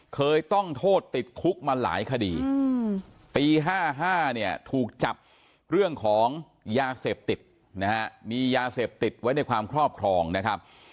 เคยต้องโทษติดคุกมาหลายคดีปี๕๕เนี่ยถูกจับเรื่องของยาเสพติดนะฮะมียาเสพติดไว้ในความครอบครองนะครับ